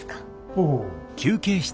おう。